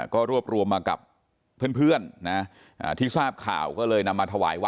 ก็รวบรวมมากับเพื่อนนะที่ทราบข่าวก็เลยนำมาถวายวัด